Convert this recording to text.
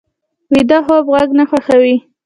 ویده خوب غږ نه خوښوي